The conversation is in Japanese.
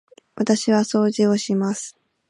私は掃除をします。